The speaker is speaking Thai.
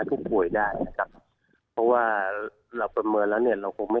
อืมค่ะ